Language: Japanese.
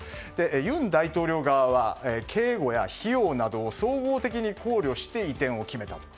尹大統領側は、警護や費用などを総合的に考慮して移転を決めたと。